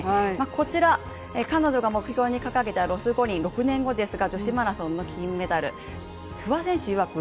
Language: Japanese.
こちら、彼女が目標に掲げたロス五輪６年後ですが女子マラソンの金メダル、不破選手いわく